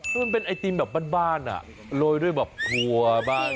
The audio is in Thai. คือมันเป็นไอติมแบบบ้านอ่ะโรยด้วยแบบครัวบ้าน